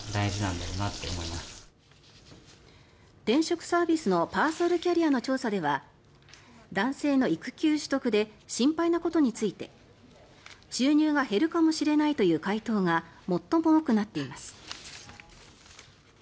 転職サービスのパーソルキャリアの調査では男性の育休取得で心配なことについて収入が減るかもしれないという回答が最も多くなっています。